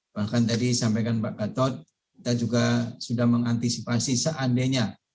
bahkan tadi sampaikan pak gatot kita juga sudah mengantisipasi seandainya